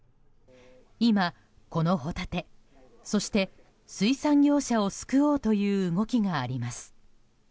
今、このホタテそして、水産業者を救おうという動きがあります。